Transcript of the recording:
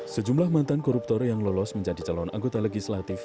sejumlah mantan koruptor yang lolos menjadi calon anggota legislatif